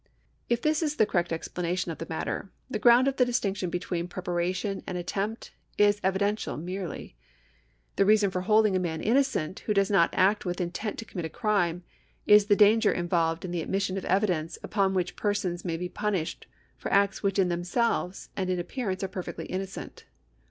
If this is the correct explanation of the matter, the ground of the dis tinction between preparation and attempt is evidential merely. The reason for holding a man innocent, who does an act with intent to commit a crime, is the danger involved in the ad mission of evidence upon which persons may be punished for acts which in themselves and in appearance are perfectly innocent.